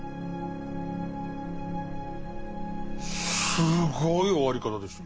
すごい終わり方でした。